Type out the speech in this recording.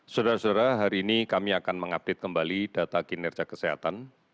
saudara saudara hari ini kami akan mengupdate kembali data kinerja kesehatan